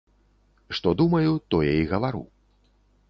Што думаю, тое і гавару.